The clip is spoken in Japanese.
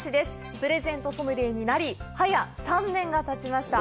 プレゼントソムリエになり、はや３年がたちました。